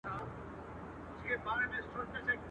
زخمي مي کوچۍ پېغلي دي د تېښتي له مزلونو.